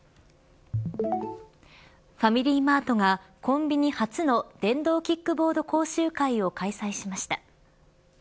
ファミリーマートがコンビニ初の電動キックボード講習会を開催しました。